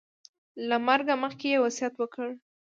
له مرګه مخکې یې وصیت وکړ.